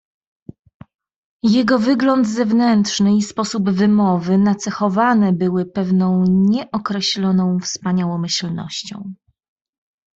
"Jego wygląd zewnętrzny i sposób wymowy nacechowane były pewną nieokreśloną wspaniałomyślnością."